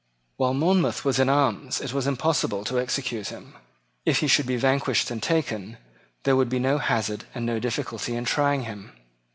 While Monmouth was in arms it was impossible to execute him. If he should be vanquished and taken, there would be no hazard and no difficulty in trying him.